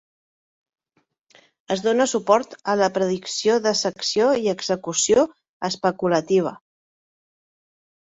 Es dóna suport a la predicció de secció i execució especulativa.